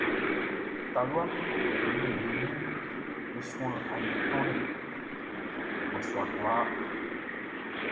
Taluaʼm be nin be ninʼm be suan aliɛ tonlɛ nnɔsua kwlaa.